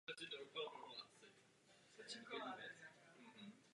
Práce byla dokončena úspěšně.